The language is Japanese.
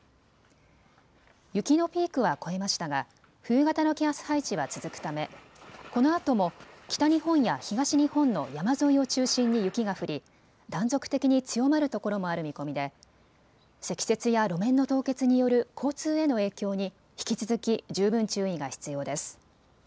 雪のピークは越えましたが冬型の気圧配置は続くため、このあとも北日本や東日本の山沿いを中心に雪が降り断続的に強まるところもある見込みで積雪や路面の凍結による交通への影響に引き続き十分注意が必要です。